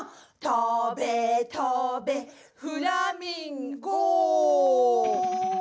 「とべとべ」「フラミンゴ」